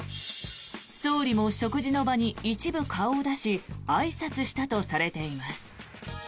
総理も食事の場に一部顔を出しあいさつしたとされています。